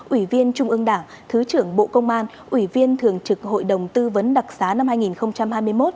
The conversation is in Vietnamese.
ủy viên trung ương đảng thứ trưởng bộ công an ủy viên thường trực hội đồng tư vấn đặc xá năm hai nghìn hai mươi một